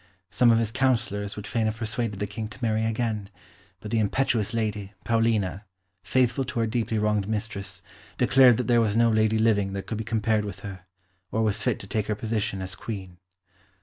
Some of his councillors would fain have persuaded the King to marry again, but the impetuous lady, Paulina, faithful to her deeply wronged mistress, declared that there was no lady living that could be compared with her, or was fit to take her position as Queen.